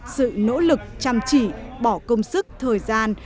sự nỗ lực chăm chỉ bỏ công sức thời gian